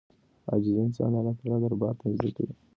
عاجزي انسان د الله دربار ته نږدې کوي.